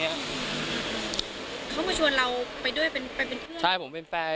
เขาก็ชวนเราไปด้วยเป็นเพื่อน